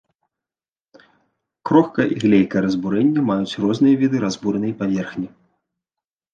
Крохкае і глейкае разбурэнне маюць розныя віды разбуранай паверхні.